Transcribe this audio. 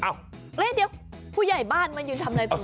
อ้าวเดี๋ยวผู้ใหญ่บ้านมันยืนทำอะไรตรงนี้